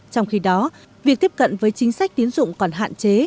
trong khi đó việc tiếp cận với chính sách tiến dụng còn hạn chế